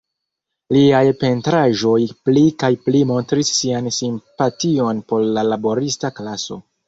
Liaj pentraĵoj pli kaj pli montris sian simpation por la laborista klaso.